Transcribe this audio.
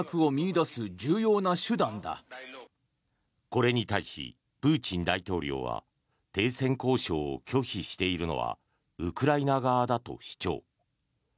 これに対し、プーチン大統領は停戦交渉を拒否しているのはウクライナ側だと主張。